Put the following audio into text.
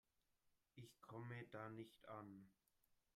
Ich komme da nicht an.